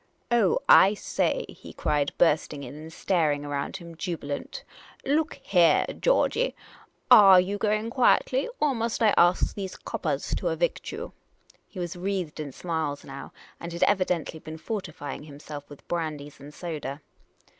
" Oh, I say," he cried, bursting in and staring around him, jubilant. " Look heah, Georgey, arc you going quietly, or must I ask these coppahs to evict you ?" He was wreathed in smiles now, and had evidently been fortifying himself with brandies and soda.